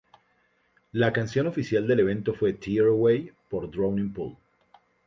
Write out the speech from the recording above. La canción oficial del evento fue "Tear Away" por Drowning Pool.